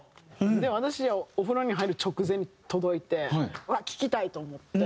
私お風呂に入る直前に届いてうわっ聴きたい！と思って。